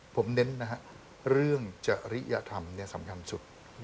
ผมเน้นนะฮะเรื่องจริยธรรมสำคัญสุด